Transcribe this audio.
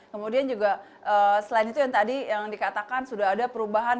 kemudian juga selain itu yang tadi yang dikatakan sudah ada perubahan